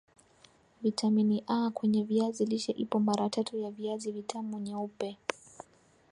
vitamini A kwenye viazi lishe ipo mara tatu ya viazi vitamu nyeupe